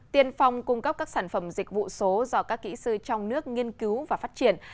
tiên phong cung cấp các sản phẩm dịch vụ số do các kỹ sư trong nước nghiên cứu và phát triển